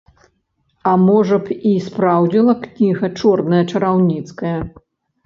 А можа б, і спраўдзіла кніга чорная чараўніцкая?